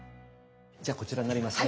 じゃあこちらになりますね。